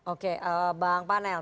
oke bang panel